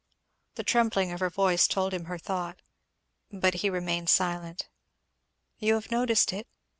The trembling of her voice told him her thought. But he remained silent. "You have noticed it?"